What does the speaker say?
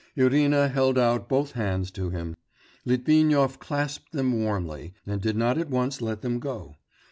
Irina held out both hands to him; Litvinov clasped them warmly, and did not at once let them go....